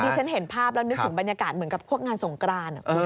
ฉันเห็นภาพแล้วนึกถึงบรรยากาศเหมือนกับพวกงานสงกราน